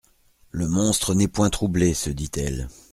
Le monstre n'est point troublé, se dit-elle.